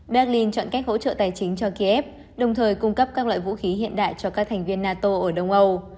berlin chọn cách hỗ trợ tài chính cho kiev đồng thời cung cấp các loại vũ khí hiện đại cho các thành viên nato ở đông âu